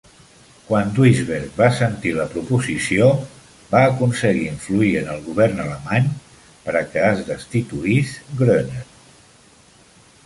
Quan Duisberg va sentir la proposició, va aconseguir influir en el govern alemany per a que es destituís Groener.